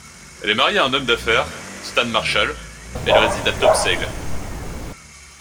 Elle est mariée à un homme d'affaires, Stan Marshall, et ils résident à Topsail.